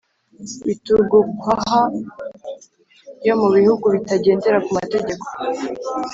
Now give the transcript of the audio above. bitugukwaha yo mu bihugu bitagendera ku mategeko.